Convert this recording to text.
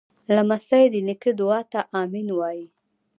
لمسی د نیکه دعا ته “امین” وایي.